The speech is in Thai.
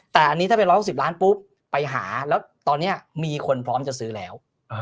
แต่อันนี้ถ้าเป็น๑๖๐ล้านปุ๊บไปหาแล้วตอนนี้มีคนพร้อมจะซื้อแล้ว